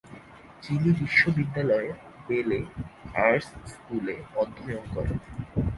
Chilli বিশ্ববিদ্যালয়ের বেলে arts স্কুলে অধ্যয়ন করেন।